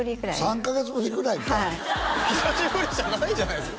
３カ月ぶりぐらいか久しぶりじゃないじゃないですか